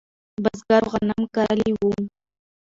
بزګرو غنم کرلی و.